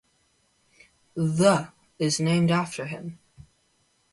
The is named after him.